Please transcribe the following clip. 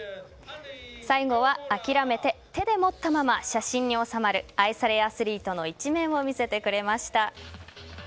最後は諦めて手で持ったまま写真におさまる愛されアスリートの一面を見せてくれました。